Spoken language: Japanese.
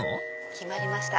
決まりました。